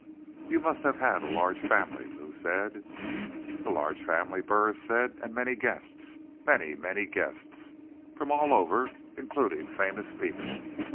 "You must have had a large family," Lou said. "A large family," Burris said, "and many guests. Many, many guests. From all over. Including famous people.